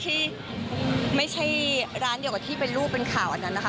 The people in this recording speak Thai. ที่ไม่ใช่ร้านเดียวกับที่เป็นรูปเป็นข่าวอันนั้นนะคะ